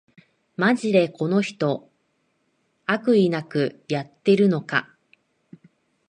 マジでこの人、悪意なくやってるのか